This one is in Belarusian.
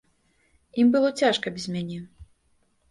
Ім было цяжка без мяне.